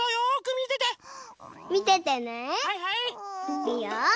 いくよ。